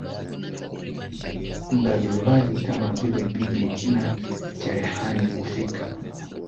mbalimbali kama vile bibi na cherehani Kufika